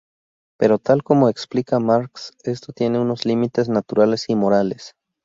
Pero, tal como explica Marx, esto tiene unos límites "naturales" y "morales".